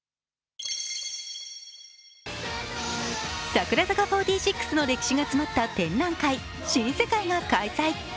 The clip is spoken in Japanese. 櫻坂４６の歴史が詰まった展覧会「新せ界」が開催。